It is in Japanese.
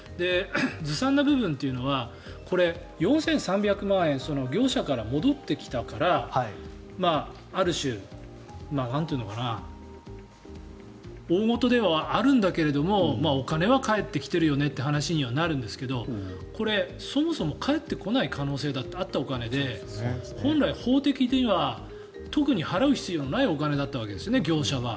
ずさんな部分というのはこれ、４３００万円が業者から戻ってきたからある種、なんというか大ごとではあるんだけれどもお金は返ってきているよねという話になるんですがこれ、そもそも返ってこない可能性だってあったお金で本来、法的には特に払う必要のないお金だったんですね、業者は。